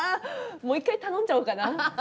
もう一回頼んじゃおうかな？